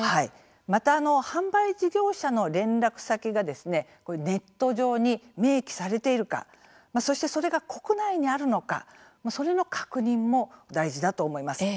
また販売事業者の連絡先がネット上に明記されているかそして、それが国内にあるのかそれの確認も大事だと思います。